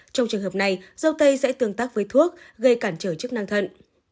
trong trường hợp này dâu tây sẽ tương tác với thuốc gây cản trở chức năng thận